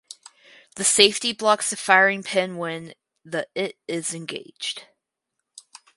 The safety blocks the firing pin when the it is engaged.